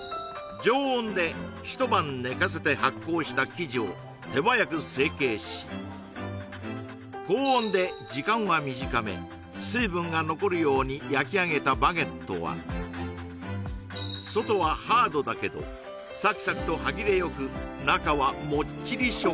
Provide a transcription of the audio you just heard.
これを通常パン屋さんでは常温で高温で時間は短め水分が残るように焼き上げたバゲットは外はハードだけどサクサクと歯切れよく中はもっちり食感